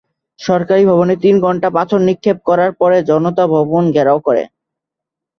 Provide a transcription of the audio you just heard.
সরকারি ভবনে তিন ঘণ্টা পাথর নিক্ষেপ করার পরে জনতা ভবন ঘেরাও করে।